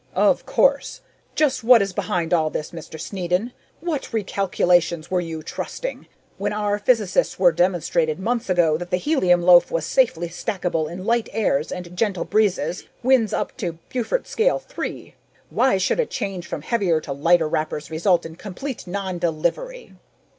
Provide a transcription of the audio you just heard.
"Of course! Just what is behind all this, Mr. Snedden? What recalculations were you trusting, when our physicists had demonstrated months ago that the helium loaf was safely stackable in light airs and gentle breezes winds up to Beaufort's scale 3. Why should a change from heavier to lighter wrappers result in complete non delivery?"